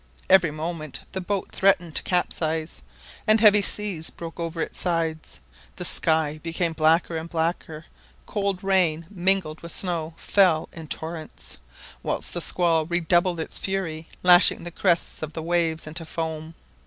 Every moment the boat threatened to capsize, and heavy seas broke over its sides. The sky became blacker and blacker, cold rain mingled with snow fell in torrents, whilst the squall redoubled its fury, lashing the crests of the waves into foam.